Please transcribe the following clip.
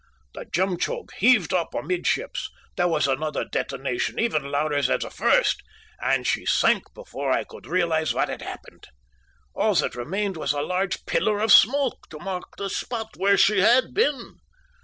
The Jemtchug heaved up amidships, there was another detonation even louder than the first, and she sank before I could realize what had happened. All that remained was a large pillar of smoke to mark the spot where she had been.